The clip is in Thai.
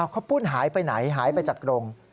ข้าวปุ้นหายไปไหนหายไปจากกรง